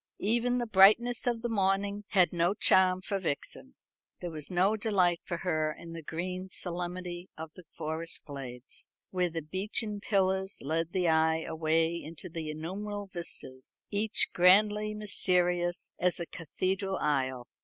Even the brightness of the morning had no charm for Vixen. There was no delight for her in the green solemnity of the forest glades, where the beechen pillars led the eye away into innumerable vistas, each grandly mysterious as a cathedral aisle.